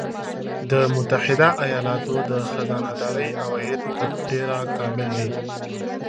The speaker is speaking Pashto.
د متحده ایالاتو د خزانه داری عواید تر ډېره کامل دي